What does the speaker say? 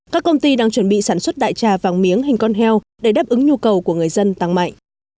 các công ty đang chuẩn bị sản xuất đại trà vàng miếng hình con heo để đáp ứng nhu cầu của người dân tăng mạnh